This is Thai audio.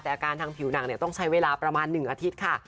แต่อาการทางผิวหนังต้องใช้เวลาประมาณ๑อาทิตย์ค่ะ